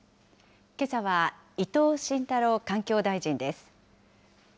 けさは伊藤信太郎環境大臣です。